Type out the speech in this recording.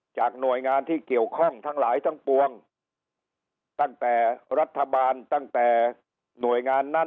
หน่วยงานที่เกี่ยวข้องทั้งหลายทั้งปวงตั้งแต่รัฐบาลตั้งแต่หน่วยงานนั้น